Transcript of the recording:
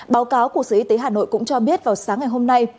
báo cáo của sở y tế hà nội cũng cho biết vào sáng ngày hôm nay